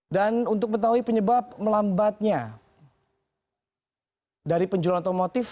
dan untuk mengetahui penyebab melambatnya dari penjualan otomotif